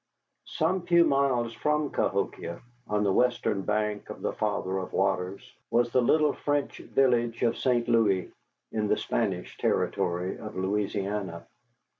Some few miles from Cahokia, on the western bank of the Father of Waters, was the little French village of St. Louis, in the Spanish territory of Louisiana.